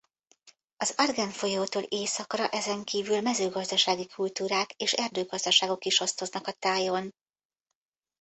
Az Argen folyótól északra ezenkívül mezőgazdasági kultúrák és erdőgazdaságok is osztoznak a tájon.